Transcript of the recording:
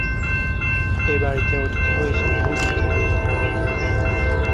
এ বাড়িতে অতিথি হয়েছেন বহু বিখ্যাত ব্যক্তি।